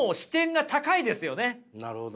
なるほど。